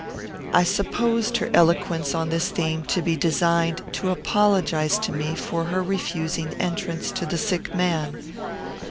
I supposed her eloquence on this theme to be designed to apologize to me for her refusing entrance to the sick man.